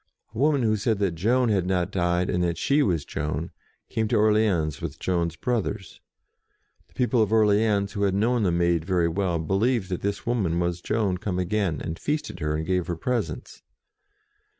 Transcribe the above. A woman who said that Joan had not died, and that she was Joan, came to Orleans with Joan's brothers. The people of Orleans, who had known the Maid very well, believed that this woman was Joan come again, and feasted her and gave her presents.